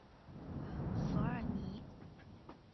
索尔尼。